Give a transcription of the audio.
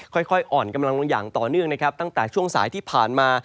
ค่อยอ่อนกำลังลงอย่างต่อเนื่องนะครับตั้งแต่ช่วงสายที่ผ่านมา